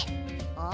あ。